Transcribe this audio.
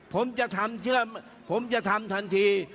ผมจะทำเชื่อผมจะทำทันที